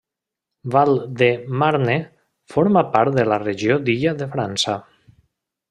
Val-de-Marne forma part de la regió d'Illa de França.